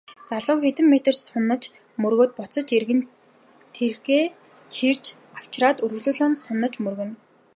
Залуу хэдэн зуун метр сунаж мөргөөд буцаж яван тэргээ чирч авчраад үргэлжлүүлэн сунаж мөргөнө.